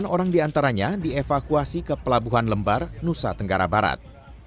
delapan orang diantaranya dievakuasi ke pelabuhan lembar nusa tenggara barat